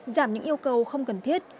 giảm những yêu cầu không cần thiết